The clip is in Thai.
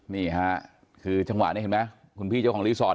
นี่ค่ะสิ่งให้ดูค่ะคุณพี่เจ้าของรีสอร์ท